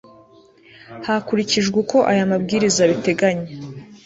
hakurikijwe uko aya mabwiriza abiteganya